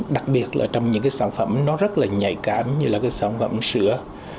đặc biệt là trong những cái sản phẩm nó rất là nhạy cảm như là cái sản phẩm sữa